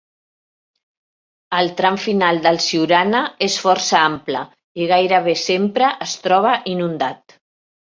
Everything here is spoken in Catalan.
El tram final del Siurana és força ample i gairebé sempre es troba inundat.